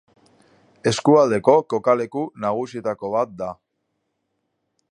Eskualdeko kokaleku nagusietako bat da.